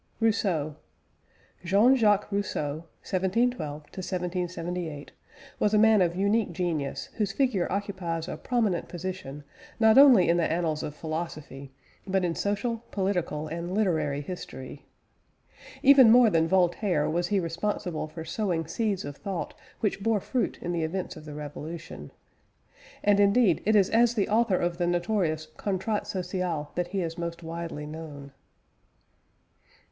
ROUSSEAU. Jean Jacques Rousseau (1712 1778) was a man of unique genius whose figure occupies a prominent position not only in the annals of philosophy, but in social, political, and literary history. Even more than Voltaire was he responsible for sowing seeds of thought which bore fruit in the events of the Revolution. And indeed, it is as the author of the notorious Contrat Social that he is most widely known.